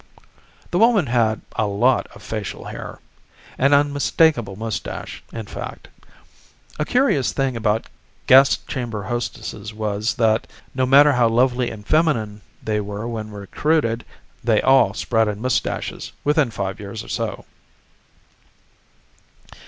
The woman had a lot of facial hair an unmistakable mustache, in fact. A curious thing about gas chamber hostesses was that, no matter how lovely and feminine they were when recruited, they all sprouted mustaches within five years or so.